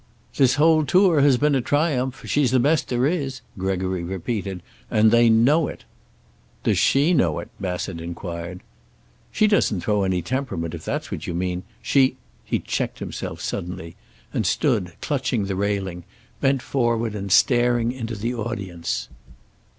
"This whole tour has been a triumph. She's the best there is," Gregory repeated, "and they know it." "Does she know it?" Bassett inquired. "She doesn't throw any temperament, if that's what you mean. She " He checked himself suddenly, and stood, clutching the railing, bent forward and staring into the audience.